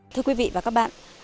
thưa quý vị và các bạn